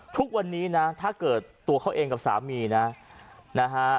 ทุกวันนี้นะถ้าเกิดตัวเขาเองกับสามีนะนะฮะ